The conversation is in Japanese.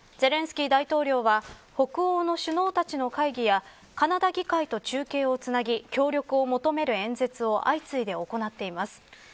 大統領は北欧の首脳たちの会議やカナダ議会と中継をつなぎ協力を求める演説を相次いで行っています。